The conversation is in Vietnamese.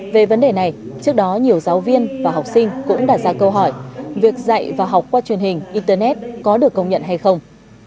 về vấn đề này trước đó nhiều giáo viên và học sinh cũng đặt ra câu hỏi việc dạy và học qua truyền hình internet có được công nhận hay không